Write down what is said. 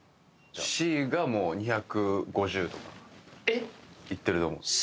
Ｃがもう２５０とかいってると思うえっ？